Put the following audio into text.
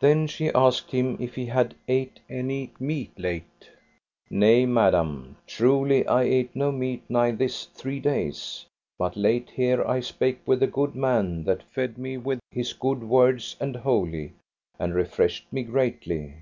Then she asked him if he had ate any meat late. Nay, madam, truly I ate no meat nigh this three days, but late here I spake with a good man that fed me with his good words and holy, and refreshed me greatly.